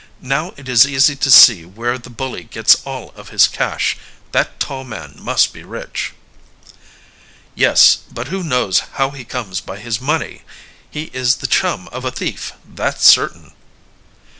Now it is easy to see where the bully gets all of his cash. That tall man must be rich." "Yes, but who knows how he comes by his money? He is the chum of a thief, that's certain."